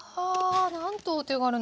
なんとお手軽な。